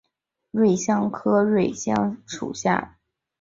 芫花为瑞香科瑞香属下的一个种。